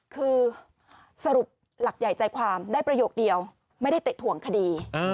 คือสรุปหลักใหญ่ใจความได้ประโยคเดียวไม่ได้เตะถ่วงคดี